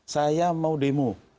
saya mau demo